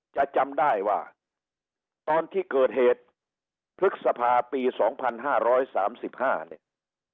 จะจำได้ว่าตอนที่เกิดเหตุภฤกษภาปีสองพันห้าร้อยสามสิบห้าเนี่ย